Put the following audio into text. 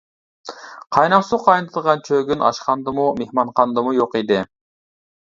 قايناق سۇ قاينىتىدىغان چۆگۈن ئاشخانىدىمۇ، مېھمانخانىدىمۇ يوق ئىدى.